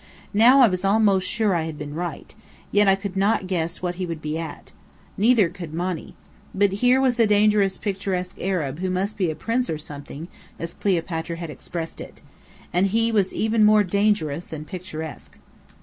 Now I was almost sure I had been right, yet I could not guess what he would be at. Neither could Monny. But here was the dangerously picturesque Arab who "must be a prince or something," as Cleopatra had expressed it. And he was even more dangerous than picturesque.